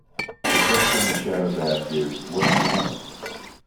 The question the Shadows ask is What do you want?